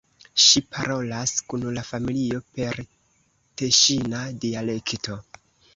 Ŝi parolas kun la familio per teŝina dialekto.